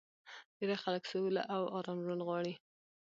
ډېری خلک سوله او ارام ژوند غواړي